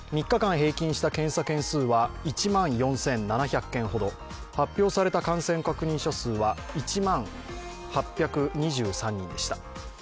３日間平均した検査件数は１万４７００件ほど発表された感染確認者数は１万８２３人でした。